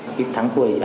khi thắng thua thì giả